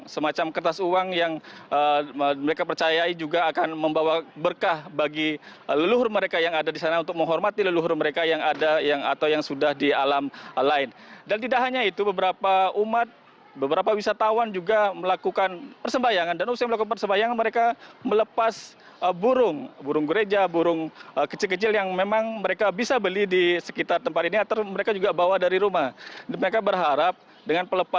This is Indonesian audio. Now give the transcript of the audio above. sampai jumpa di video selanjutnya